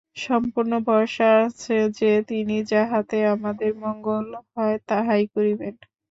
সম্পূর্ণ ভরসা আছে যে, তিনি যাহাতে আমাদের মঙ্গল হয়, তাহাই করিবেন।